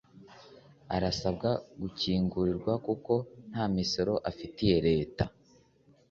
Arasabwa gukingurirwa kuko nta misoro afitiye Leta